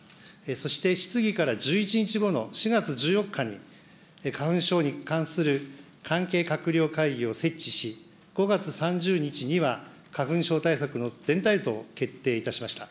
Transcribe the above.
そして質疑から１１日後の４月１４日に、花粉症に関する関係閣僚会議を設置し、５月３０日には、花粉症対策の全体像を決定いたしました。